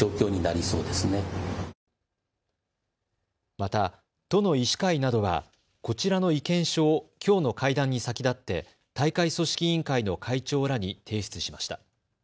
また都の医師会などはこちらの意見書をきょうの会談に先立って大会組織委員会の会長らに提出しました。